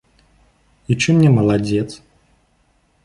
І чым не маладзец?